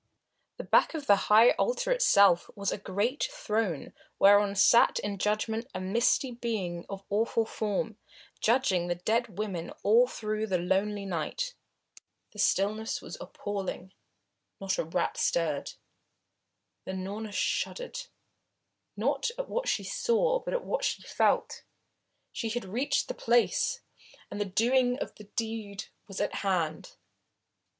The back of the high altar itself was a great throne whereon sat in judgment a misty being of awful form, judging the dead women all through the lonely night. The stillness was appalling. Not a rat stirred. Unorna shuddered, not at what she saw, but at what she felt. She had reached the place, and the doing of the deed was at hand.